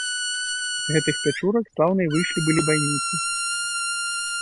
З гэтых пячурак слаўныя выйшлі былі байніцы!